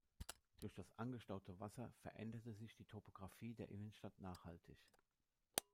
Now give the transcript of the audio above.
Durch das angestaute Wasser veränderte sich die Topographie der Innenstadt nachhaltig.